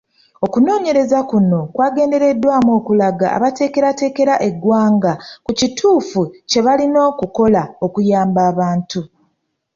Okunoonyereza kuno kwagendereddwamu okulaga abateekerateekera eggwanga ku kituufu kye balina okukola okuyamba abantu.